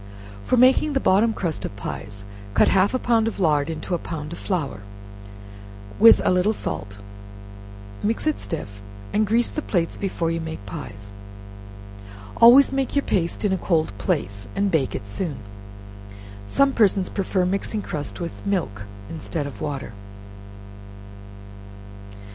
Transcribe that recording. For making the bottom crust of pies, cut half a pound of lard into a pound of flour, with a little salt; mix it stiff, and grease the plates before you make pies; always make your paste in a cold place, and bake it soon. Some persons prefer mixing crust with milk instead of water.